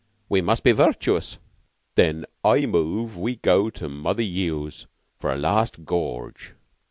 We must be virtuous." "Then I move we go to Mother Yeo's for a last gorge.